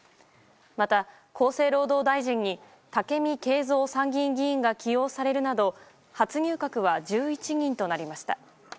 また、厚生労働大臣に武見敬三参議院議員が起用されるなど、初入閣は１１人となりました。